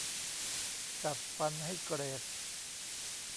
กัดฟันให้เกรด